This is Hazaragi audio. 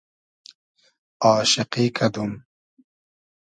آشیقی کئدوم